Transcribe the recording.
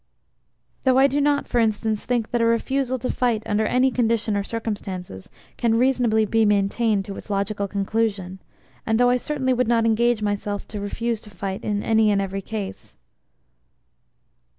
Though I do not, for instance, think that a refusal to fight under any condition or circumstance can reasonably be maintained to its logical conclusion, and though I certainly would not engage myself to refuse to fight in any and every case.